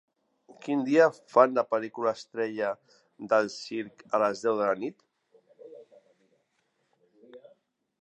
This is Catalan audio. quin dia fan la pel·lícula Estrella del circ a les deu de la nit